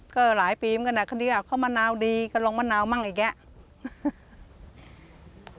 ก็หลายปีมันก็น่ะคราวนี้อ่ะเขามะนาวดีก็ลองมะนาวมั่งอีกเนี่ย